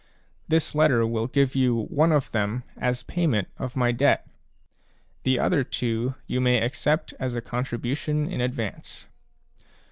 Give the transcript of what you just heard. This letter will give you one of them as payment of my debt ; the other two you may accept as a contribution in advance.